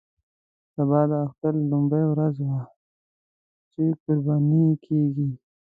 سبا د اختر لومړۍ ورځ وه چې قرباني کېږي.